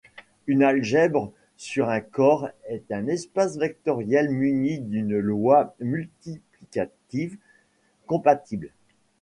Une algèbre sur un corps est un espace vectoriel muni d'une loi multiplicative compatible.